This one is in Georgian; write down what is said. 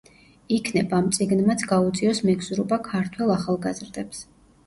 იქნებ, ამ წიგნმაც გაუწიოს მეგზურობა ქართველ ახალგაზრდებს.